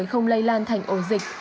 không lây lan thành ổ dịch